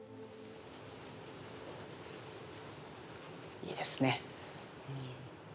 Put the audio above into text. いいですね。